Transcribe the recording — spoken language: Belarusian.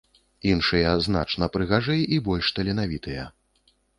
Іншыя значна прыгажэй і больш таленавітыя.